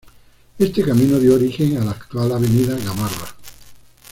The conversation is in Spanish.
Este camino dio origen a la actual avenida Gamarra.